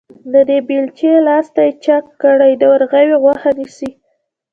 د دې بېلچې لاستي چاک کړی، د ورغوي غوښه نيسي.